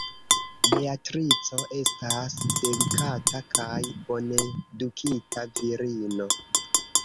Beatrico estas delikata kaj bonedukita virino.